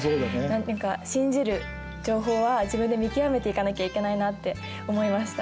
何て言うか信じる情報は自分で見極めていかなきゃいけないなって思いました。